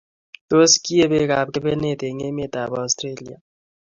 Tos, kiie beekab kebenet eng emetab Australia